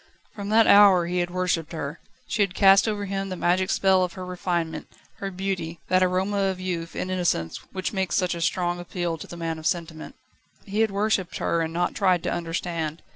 From that hour he had worshipped her: she had cast over him the magic spell of her refinement, her beauty, that aroma of youth and innocence which makes such a strong appeal to the man of sentiment. He had worshipped her and not tried to understand.